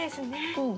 うん。